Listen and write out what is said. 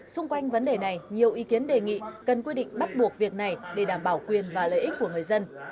xung quanh vấn đề này nhiều ý kiến đề nghị cần quy định bắt buộc việc này để đảm bảo quyền và lợi ích của người dân